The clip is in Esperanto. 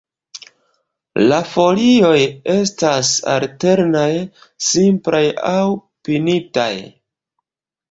La folioj estas alternaj, simplaj aŭ pinataj.